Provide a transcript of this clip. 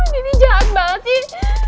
dini jahat banget sih